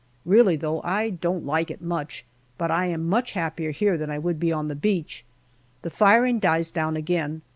Really though, I don't like it much, but I am much happier here than I would be on the beach. The firing dies down again.